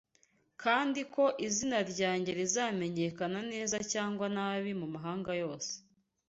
kandi ko izina ryanjye rizamenyekana neza cyangwa nabi mu mahanga yose